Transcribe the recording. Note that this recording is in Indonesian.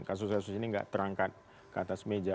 kasus kasus ini tidak terangkat ke atas meja